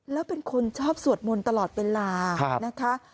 แล้วเป็นคนชอบสวดมนต์ตลอดเวลานะคะ